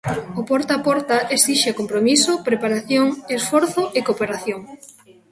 O porta a porta esixe compromiso, preparación, esforzo e cooperación.